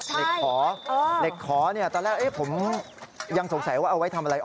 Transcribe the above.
เหล็กขอเหล็กขอตอนแรกผมยังสงสัยว่าเอาไว้ทำอะไร